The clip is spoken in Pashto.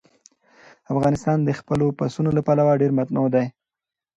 افغانستان د خپلو پسونو له پلوه ډېر متنوع دی.